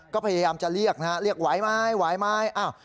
ก็พยายามจะเรียกนะฮะเรียกไหวไหมไหวไหม